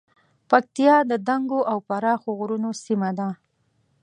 پکتیا د دنګو او پراخو غرونو سیمه ده